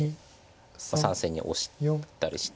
３線にオシたりして。